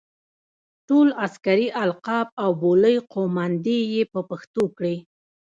ټول عسکري القاب او بولۍ قوماندې یې په پښتو کړې.